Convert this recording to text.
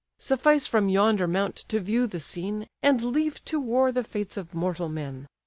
Suffice from yonder mount to view the scene, And leave to war the fates of mortal men.